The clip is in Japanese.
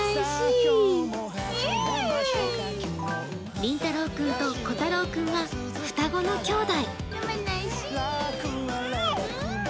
りんたろう君とこたろう君は双子の兄弟。